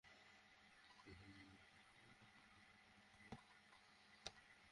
Jhenaidah cadet college এবারের SSC পরীক্ষায় যুগ্মভাবে যশোর বোর্ডে শীর্ষ স্থান অধিকার করেছে।